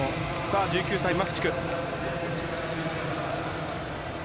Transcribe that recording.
１９歳、マフチフ。